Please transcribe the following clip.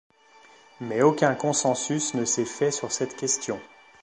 Mais aucun consensus ne s'est fait sur cette question.